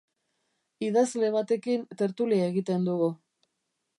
Idazle batekin tertulia egiten dugu.